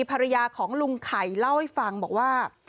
ภรรยาของลุงไข่เล่าให้ฟังบอกว่า